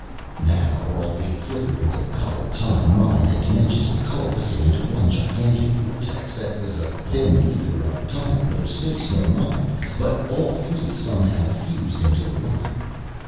Now all the flickerings, of color, time, mind and dimensions, were coalescing into one gigantic vortex, that was a thing neither of time, nor space, nor mind, but all three somehow fused into one....